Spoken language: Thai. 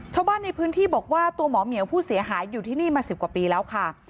ชาวบ้านในพื้นที่บอกว่าตัวหมอเหมียวผู้เสียหายอยู่ที่นี่มา๑๐กว่าปีแล้วค่ะ